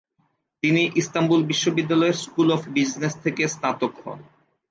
তিনি ইস্তাম্বুল বিশ্ববিদ্যালয়ের school of business থেকে স্নাতক হন।